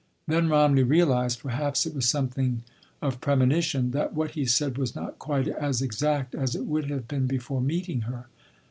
Then Romney realized—perhaps it was something of premonition—that what he said was not quite as exact as it would have been before meeting her.